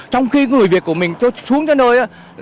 trong khi người việt của mình xuống cái nơi